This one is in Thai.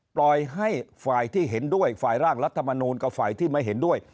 ปล่อยให้ฝ่ายที่เห็นด้วยฝ่ายร่างรัฐมนูลกับฝ่ายที่ไม่เห็นด้วย